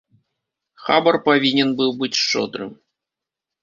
Хабар павінен быў быць шчодрым.